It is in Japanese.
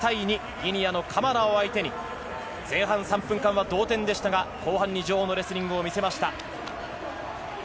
ギニアのカマラを相手に前半３分間は同点でしたが、後半に女王のレスリングを見せました。